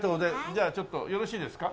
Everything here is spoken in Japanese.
じゃあちょっとよろしいですか？